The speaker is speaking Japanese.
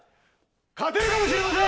勝てるかもしれません！